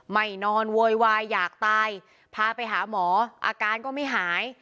นอนโวยวายอยากตายพาไปหาหมออาการก็ไม่หาย